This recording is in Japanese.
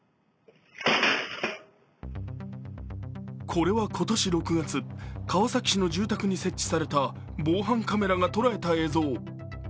これは今年６月、川崎市の住宅に設置された防犯カメラが捉えた映像。